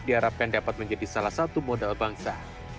diharapkan dapat menjadi salah satu modal bangsa